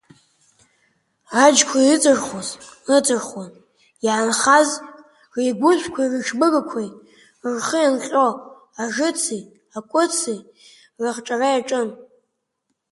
Аџьқәа иҵырхуаз, ыҵырхуан, иаанхаз, реигәышәқәеи рыҽбыгақәеи рхы иаанҟьо ажыци ақәыци рыхҿара иаҿын.